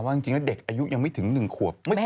จริงแล้วเด็กอายุยังไม่ถึง๑ขวบ